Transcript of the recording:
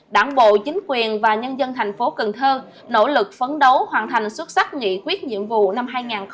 đảng bộ chính quyền và nhân dân thành phố cần thơ nỗ lực phấn đấu hoàn thành xuất sắc nghị quyết nhiệm vụ năm hai nghìn hai mươi